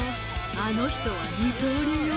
あの人は二刀流よ。